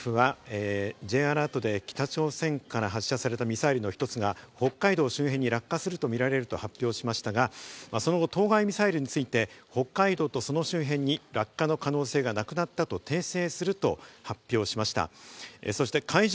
政府はＪアラートで北朝鮮から発射されたミサイルの一つが北海道周辺に落下するとみられると発表しましたが、その後、当該ミサイルについて北海道とその周辺に落下の可能性がなくなったと訂正すると発表しました。